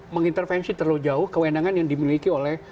mengintervensi terlalu jauh kewenangan yang dimiliki oleh